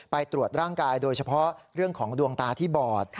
ไปตรวจร่างกายโดยเฉพาะเรื่องของดวงตาที่บอด